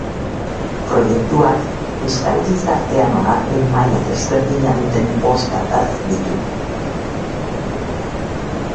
Proiektuak euskal gizartean onarpen maila desberdina duten bost ardatz ditu.